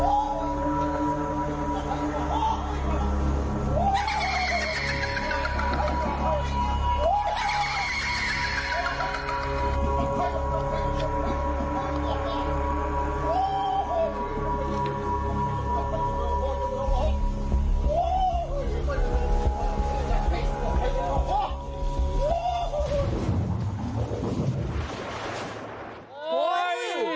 โถยยย